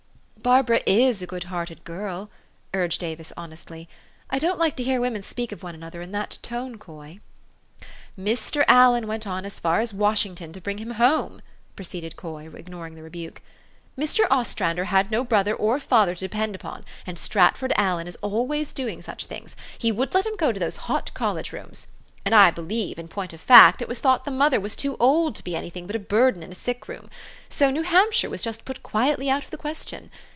"Barbara is a good hearted girl," urged Avis honestly. "I don't like to hear women speak of one another in that tone, Coy." " Mr. Allen went on as far as Washington to bring him home," proceeded Coy, ignoring the rebuke. "Mr. Ostrander had no brother or father to depend upon, and Stratford Allen is always doing such things. He wouldn't let him go to those hot college rooms. And I believe, in point of fact, it was thought the mother was too old to be any thing but a burden in a sick room : so New Hampshire was just put quietly out of the question.